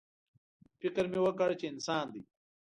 _فکر مې وکړ چې انسان دی.